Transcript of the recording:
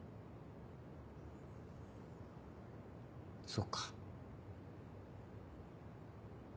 そうか。